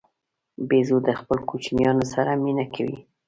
بیزو د خپلو کوچنیانو سره مینه کوي.